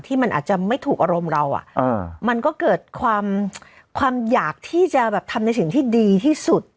ที่มันอาจจะไม่ถูกอารมณ์เรามันก็เกิดความความอยากที่จะแบบทำในสิ่งที่ดีที่สุด